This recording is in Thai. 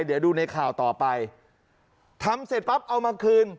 เดี๋ยวดูในข่าวต่อไปทำเสร็จปั๊บเอามาคืน